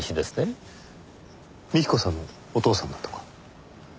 幹子さんのお父さんだとか。